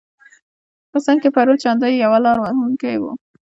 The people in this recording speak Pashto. په سند کې پرو چاندیو یو لاره وهونکی و.